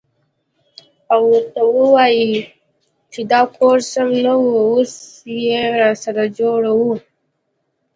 او ورته ووايې چې دا کور سم نه و اوس يې له سره جوړوه.